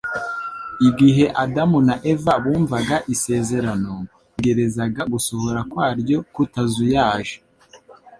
Igihe Adamu na Eva bumvaga isezerano, bategerezaga gusohora kwa ryo kutazuyaje.